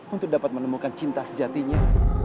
untuk dapat menemukan cinta sejatinya